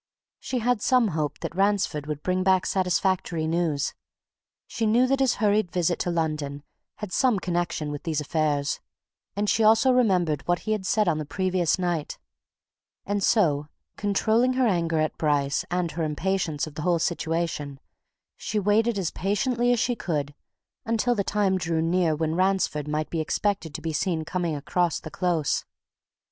She had some hope that Ransford would bring back satisfactory news; she knew that his hurried visit to London had some connection with these affairs; and she also remembered what he had said on the previous night. And so, controlling her anger at Bryce and her impatience of the whole situation she waited as patiently as she could until the time drew near when Ransford might be expected to be seen coming across the Close.